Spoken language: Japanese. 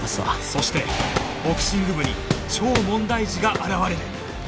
そしてボクシング部に超問題児が現れる